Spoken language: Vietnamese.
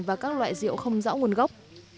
và các loại rượu không rõ nguồn gốc